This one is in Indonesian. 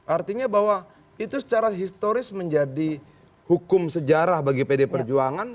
artinya bahwa itu secara historis menjadi hukum sejarah bagi pd perjuangan